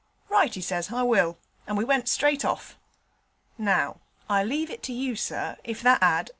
"Right," he says, "I will": and we went straight off. Now, I leave it to you, sir, if that ad.